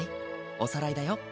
おさらいだよ。